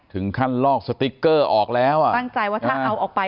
ถึงขั้นลอกสติ๊กเกอร์ออกแล้วตั้งใจว่าถ้าเอาออกไป